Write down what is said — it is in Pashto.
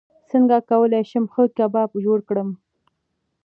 څنګه کولی شم ښه کباب جوړ کړم